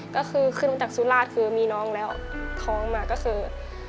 ก็คือขึ้นมาจากสุราชคือมีน้องแล้วท้องมาก็คือ